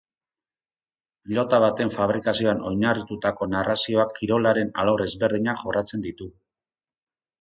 Pilota baten fabrikazioan oinarritutako narrazioak kirolaren alor ezberdinak jorratzen ditu.